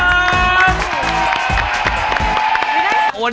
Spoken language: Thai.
กิเลนพยองครับ